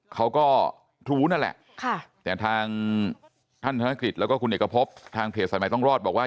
เขาก็รู้นั่นแหละแต่ทางท่านธนกฤษแล้วก็คุณเอกพบทางเพจสายใหม่ต้องรอดบอกว่า